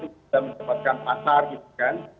kita dapatkan pasar gitu kan